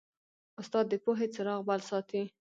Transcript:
استاد د پوهې څراغ بل ساتي.